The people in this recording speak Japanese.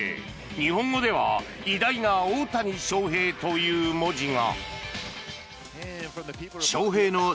日本語では「偉大な大谷翔平」という文字が。